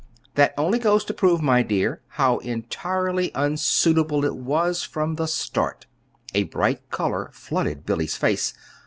"That only goes to prove, my dear, how entirely unsuitable it was, from the start." A bright color flooded Billy's face.